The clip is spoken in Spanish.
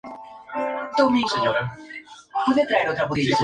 Ese mismo año, produjo "The Shop Girl".